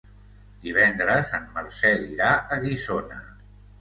Divendres en Marcel irà a Guissona.